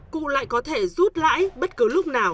cụ lại có thể rút lãi bất cứ lúc nào